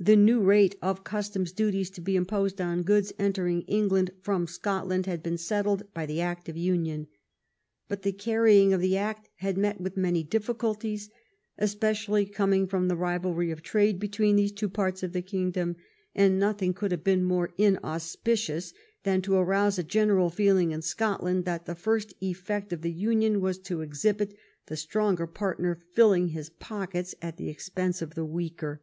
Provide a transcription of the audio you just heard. The new rate of customs duties to be imposed on goods entering England from Scotland had been settled by the act of unionl But the carrying of the act had met with many difficulties, especially coming from the rivalry of trade between these two parts of the kingdom, and nothing could have been more inauspicious than to arouse a general feeling in Scotland that the first effect of the union was to exhibit the stronger partner filling his pockets at the expense of the weaker.